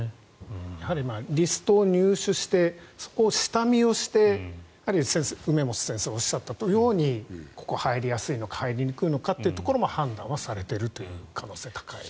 やはりリストを入手して下見をして梅本先生がおっしゃったようにここは入りやすいのか入りにくいのか判断はされているという可能性が高いですね。